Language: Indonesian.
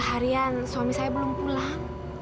harian suami saya belum pulang